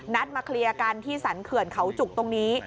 นัดมาเคลียร์กันที่สรรเขื่อนเขาจุกตรงนี้